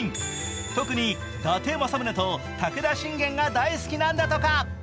特に伊達政宗と武田信玄が大好きなんだとか。